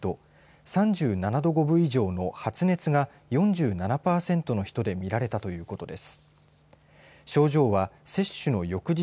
３７度５分以上の発熱が４７％の人で見られたということです。